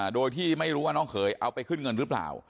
โดยที่ไม่รู้ว่าน้องเขยเอาไปขึ้นเงินหรือเปล่า